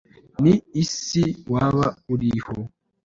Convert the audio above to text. n,isi waba uliho